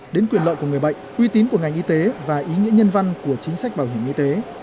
đến quyền lợi của người bệnh uy tín của ngành y tế và ý nghĩa nhân văn của chính sách bảo hiểm y tế